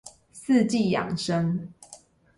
四季養生